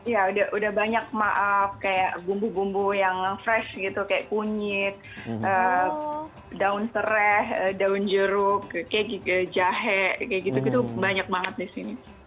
ya udah banyak maaf kayak bumbu bumbu yang fresh gitu kayak kunyit daun serai daun jeruk kayak gitu jahe kayak gitu gitu banyak banget di sini